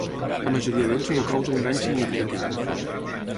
La majoria d'ells no causa un dany significatiu.